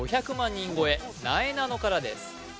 人超えなえなのからです